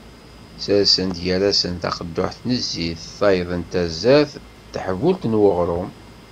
Ssersen-d gar-asen taqedduḥt n zzit, tayeḍ n tazart d teḥbult n uγrum.